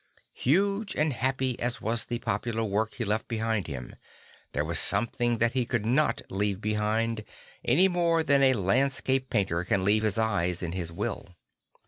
Huge and happy as was the popular work he left behind him, there was something that he could not leave behind, any more than a land scape painter can leave his eyes in his will.